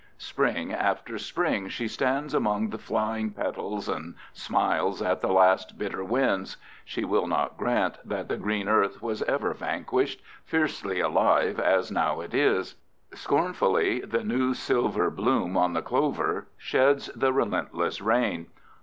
Spring after spring she stands among flying petals and smiles at the last bitter winds. She will not grant that the green earth was ever vanquished, fiercely alive as now it is. Scornfully the new silver bloom on the clover sheds the relentless rain.